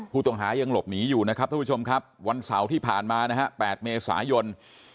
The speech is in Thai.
ผู้ต้องหายังหลบหนีอยู่นะครับท่านผู้ชมครับวันเสาร์ที่ผ่านมานะฮะ๘เมษายน